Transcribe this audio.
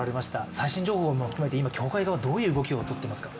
最新情報も含めて今教会側はどういう動きをとっていますか？